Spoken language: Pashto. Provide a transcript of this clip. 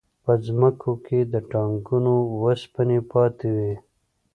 په ځمکو کې د ټانکونو وسپنې پاتې وې